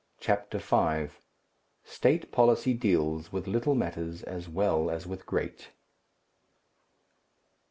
CHAPTER V. STATE POLICY DEALS WITH LITTLE MATTERS AS WELL AS WITH GREAT.